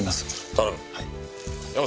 頼む。